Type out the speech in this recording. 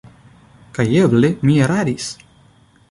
Kaj eble mi eraris!